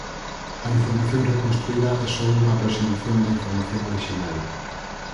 A información reconstruída é só unha aproximación da información orixinal.